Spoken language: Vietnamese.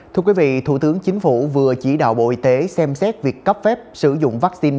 thưa quý vị thủ tướng chính phủ vừa chỉ đạo bộ y tế xem xét việc cấp phép sử dụng vaccine